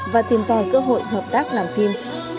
và tìm tòi cơ hội hợp tác làm phim